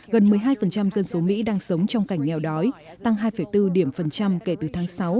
gần một mươi hai dân số mỹ đang sống trong cảnh nghèo đói tăng hai bốn điểm phần trăm kể từ tháng sáu